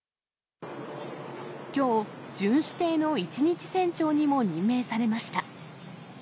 きょう、巡視艇の一日船長にも任命されました。